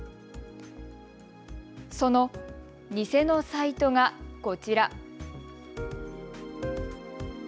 その偽のサイトがこちら。